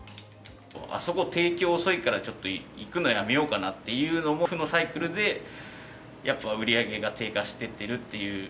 あそこ提供遅いから、ちょっと行くのやめようかなっていうのも、負のサイクルで、やっぱ売り上げが低下してってるっていう。